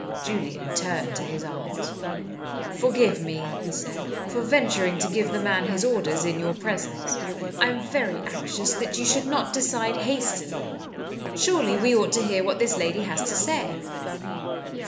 Julian turned to his aunt. "Forgive me," he said, "for venturing to give the man his orders in your presence. I am very anxious that you should not decide hastily. Surely we ought to hear what this lady has to say?"